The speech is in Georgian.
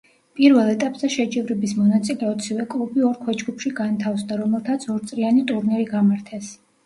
პირველ ეტაპზე შეჯიბრების მონაწილე ოცივე კლუბი ორ ქვეჯგუფში განთავსდა, რომელთაც ორწრიანი ტურნირი გამართეს.